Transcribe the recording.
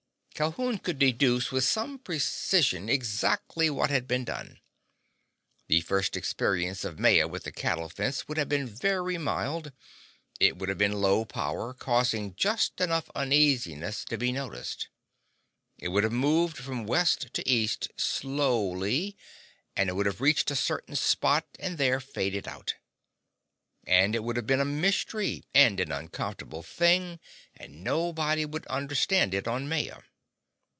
Calhoun could deduce with some precision exactly what had been done. The first experience of Maya with the cattle fence would have been very mild. It would have been low power, causing just enough uneasiness to be noticed. It would have moved from west to east, slowly, and it would have reached a certain spot and there faded out. And it would have been a mystery and an uncomfortable thing, and nobody would understand it on Maya.